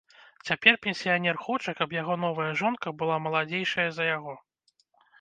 Цяпер пенсіянер хоча, каб яго новая жонка была маладзейшая за яго.